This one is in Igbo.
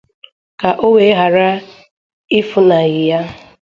ka o wee ghàra ifùnahị ya